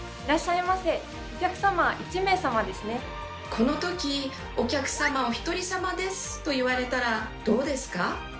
この時「お客様お１人様です」と言われたらどうですか？